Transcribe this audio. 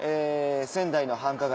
仙台の繁華街